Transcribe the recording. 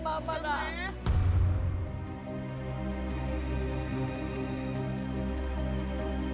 mama salah nek